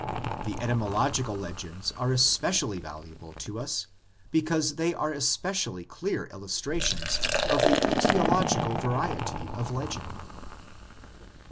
The etymological legends are especially valuable to us because they are especially clear illustrations of the £Etiological variety of legend.